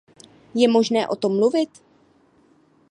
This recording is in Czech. Je možné o tom mluvit?